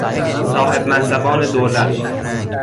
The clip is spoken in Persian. صاحب منصبان دولت